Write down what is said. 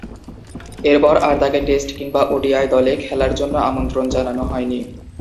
এরপর আর তাকে টেস্ট কিংবা ওডিআই দলে খেলার জন্যে আমন্ত্রণ জানানো হয়নি।